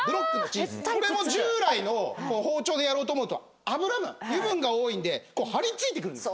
これも従来の包丁でやろうと思うと油分が多いんで張りついてくるんです。